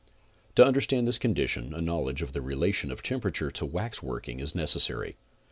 To understand this condition a knowledge of the relation of temperature to wax working is necessary.